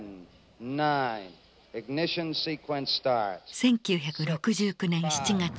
１９６９年７月。